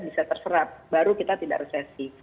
bisa terserap baru kita tidak resesi